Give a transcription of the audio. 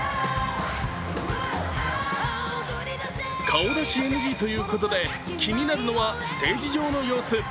顔出しＮＧということで気になるのは、ステージ上の様子。